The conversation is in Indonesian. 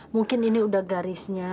mungkin ini udah garisnya